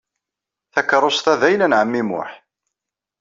Takeṛṛust-a d ayla n ɛemmi Muḥ.